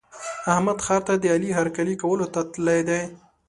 احمد ښار ته د علي هرکلي کولو ته تللی دی.